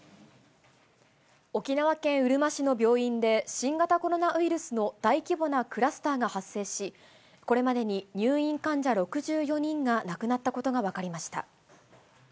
沖縄県うるま市の病院で新型コロナウイルスの大規模なクラスターが発生し、これまでに入院患者６４人が亡くなったことが分かりました。